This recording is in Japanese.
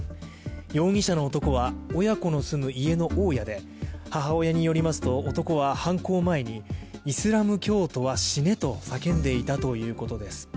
容疑者の男は親子の住む家の大家で母親によりますと男は犯行前にイスラム教徒は死ねと叫んでいたということです。